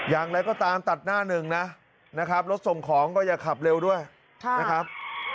อย่างไรก็ตามตัดหน้าหนึ่งนะนะครับรถส่งของก็อย่าขับเร็วด้วยนะครับ